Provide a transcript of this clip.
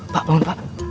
pak bangun pak